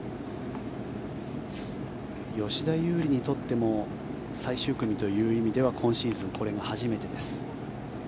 吉田優利にとっても最終組という意味では今シーズンこれが初めてです。